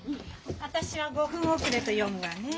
私は５分遅れと読むわね。